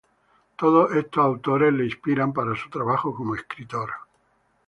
Todos estos autores le inspiran para su trabajo como escritor.